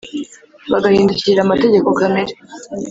bagahindukirira amategeko kamere.